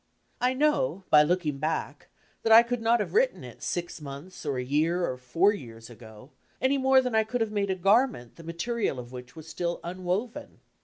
I know, by looking back, that I could not have wrinen it six months, or a year, or four years ago, any more than I could have made a garment the material of which was still unwoven.